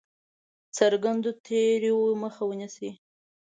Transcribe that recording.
څرګندو تېریو مخه ونیسي.